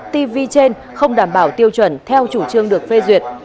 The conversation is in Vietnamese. bốn mươi một tv trên không đảm bảo tiêu chuẩn theo chủ trương được phê duyệt